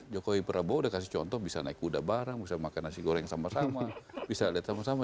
jokowi prabowo udah kasih contoh bisa naik kuda bareng bisa makan nasi goreng sama sama bisa lihat sama sama